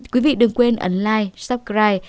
quý vị đừng quên ấn like subscribe